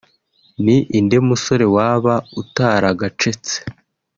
ni inde musore waba utaragacetse